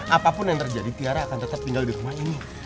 apapun yang terjadi tiara akan tetap tinggal di rumah ini